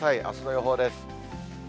あすの予報です。